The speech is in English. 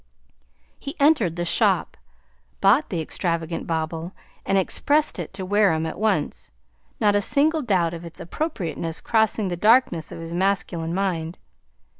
He entered the shop, bought the extravagant bauble, and expressed it to Wareham at once, not a single doubt of its appropriateness crossing the darkness of his masculine mind.